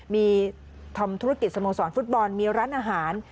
มีทำธุรกิจสโมสรฟุตบอลมีร้านอาหาร